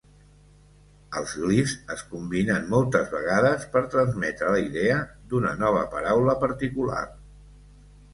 Els glifs es combinen moltes vegades per transmetre la idea d'una nova paraula particular.